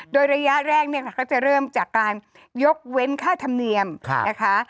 โดยระยะแรกเนี่ยค่ะก็จะเริ่มจากการยกเว้นค่าธรรมเนียมนะคะ